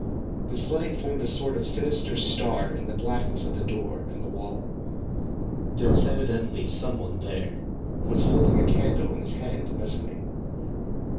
This light formed a sort of sinister star in the blackness of the door and the wall. There was evidently some one there, who was holding a candle in his hand and listening.